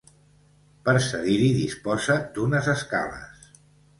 Per cedir-hi disposa d'unes escales.